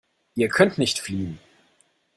Ihr könnt nicht fliehen.